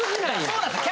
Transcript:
そうなんです。